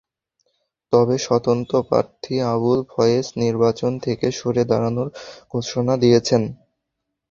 তবে স্বতন্ত্র প্রার্থী আবুল ফয়েজ নির্বাচন থেকে সরে দাঁড়ানোর ঘোষণা দিয়েছেন।